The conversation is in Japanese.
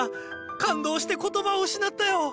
感動して言葉を失ったよ！